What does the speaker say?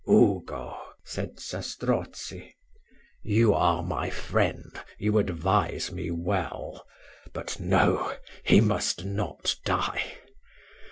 "Ugo," said Zastrozzi, "you are my friend; you advise me well. But, no! he must not die.